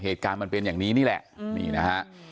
เหตุการณ์มันเป็นอย่างนี้นี่แหละ